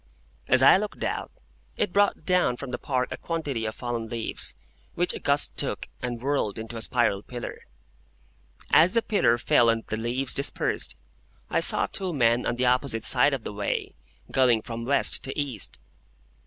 As I looked out, it brought down from the Park a quantity of fallen leaves, which a gust took, and whirled into a spiral pillar. As the pillar fell and the leaves dispersed, I saw two men on the opposite side of the way, going from West to East.